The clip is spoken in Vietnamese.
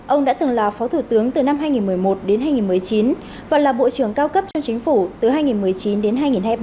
ông đã từng là phó thủ tướng từ năm hai nghìn một mươi một đến hai nghìn một mươi chín và là bộ trưởng cao cấp trong chính phủ từ hai nghìn một mươi chín đến hai nghìn hai mươi ba